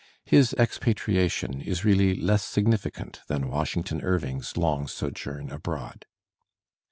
His expatriation is really less significant than Washington Irving's long sojourn abroad.